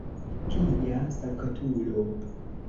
Kia sanktulo!